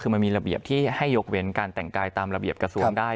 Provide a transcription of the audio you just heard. คือมันมีระเบียบที่ให้ยกเว้นการแต่งกายตามระเบียบกระทรวงได้